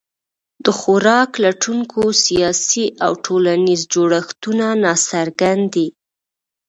د خوراک لټونکو سیاسي او ټولنیز جوړښتونه ناڅرګند دي.